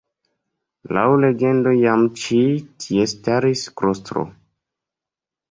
Laŭ legendo iam ĉi tie staris klostro.